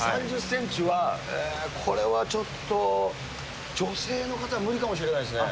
３０センチは、これはちょっと、女性の方、無理かもしれないですね。